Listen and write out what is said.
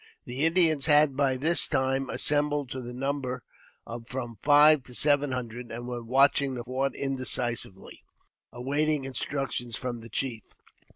The Indians had by this time assembled to the number of from five to seven hundred, and were watching the fort inde cisively, awaiting instructions from the chief.